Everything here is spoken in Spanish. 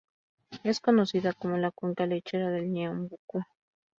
Es conocida como la "Cuenca Lechera del Ñeembucú.